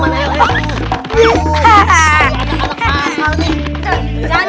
kalau nangkepnya lho